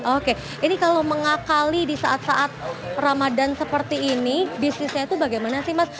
oke ini kalau mengakali disaat saat ramadhan seperti ini bisnisnya itu bagaimana sih mas